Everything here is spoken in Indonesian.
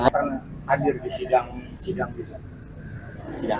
pernah hadir di sidang sidang disitu